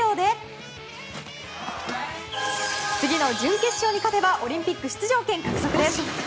次の準決勝に勝てばオリンピック出場権獲得です。